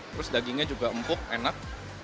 terus dagingnya juga empuk enak